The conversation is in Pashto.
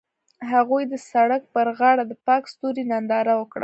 هغوی د سړک پر غاړه د پاک ستوري ننداره وکړه.